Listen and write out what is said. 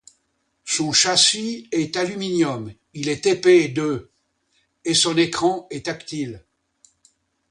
Son châssis est aluminium, il est épais de et son écran est tactile.